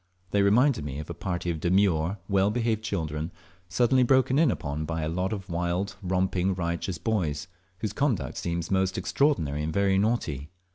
They reminded me of a party of demure and well behaved children suddenly broken in upon by a lot of wild romping, riotous boys, whose conduct seems most extraordinary and very naughty.